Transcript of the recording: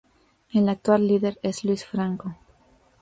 El actual líder es Luís Franco.